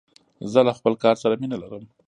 زه له خپل کار سره مینه لرم.